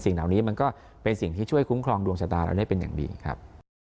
เหล่านี้มันก็เป็นสิ่งที่ช่วยคุ้มครองดวงชะตาเราได้เป็นอย่างดีครับ